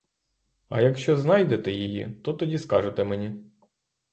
А якщо знайдете її, то тоді скажете мені.